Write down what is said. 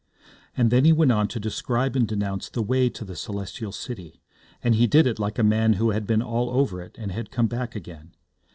And then he went on to describe and denounce the way to the Celestial City, and he did it like a man who had been all over it, and had come back again.